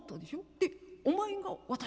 でお前が私」。